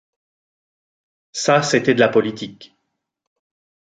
Ça, c’était de la politique